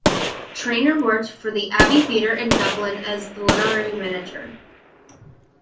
Traynor worked for the Abbey Theatre in Dublin as the literary manager.